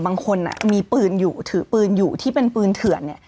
บางคนมีปืนอยู่ถือปืนอยู่ที่เป็นปืนเถื่อน